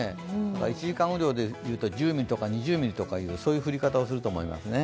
１時間雨量で言うと、１０２０ミリという降り方をすると思いますね。